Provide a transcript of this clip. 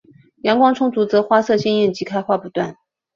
阳光充足则花色鲜艳及开花不断。